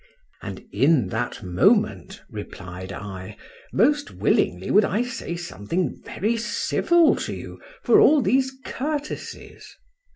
—And in that moment, replied I, most willingly would I say something very civil to you for all these courtesies.